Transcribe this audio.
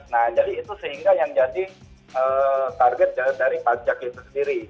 nah jadi itu sehingga yang jadi target dari pajak itu sendiri